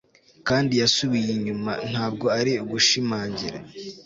kandi yasubiye inyuma, ntabwo ari ugushimangira